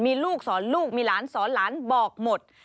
มีลูกสอนลูกมีหลานสอนหลานบอกหมด